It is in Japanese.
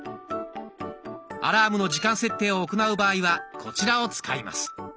アラームの時間設定を行う場合はこちらを使います。